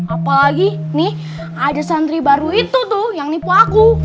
apalagi nih ada santri baru itu tuh yang nipu aku